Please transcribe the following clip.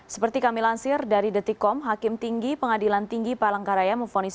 syamsuddin nur palangkaraya